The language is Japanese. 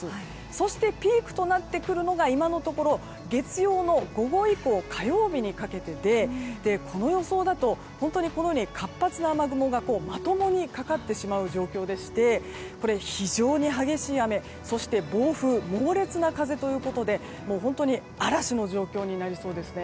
そして、ピークとなってくるのが今のところ月曜日の午後以降火曜日にかけてでこの予想だと本当に活発な雨雲がまともにかかってしまう状況でして非常に激しい雨そして暴風、猛烈な風で本当に嵐の状況になりそうですね。